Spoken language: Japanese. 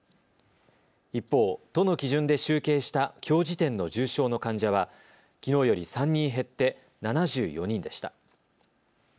一方、都の基準で集計したきょう時点の重症の患者はきのうより３人減って７４人でした。